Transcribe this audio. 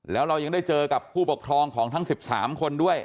แล้วเรายังได้เจอกับผู้ปกครองของทั้ง๑๓คนด้วย